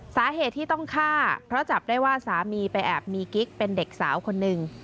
สาเหตุที่ต้องฆ่าเพราะจับได้ว่าสามีไปแอบมีกิ๊กเป็นเด็กสาวคนหนึ่ง